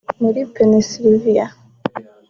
muri Pennsylvania